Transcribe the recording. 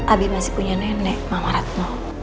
abi masih punya nenek mama ratna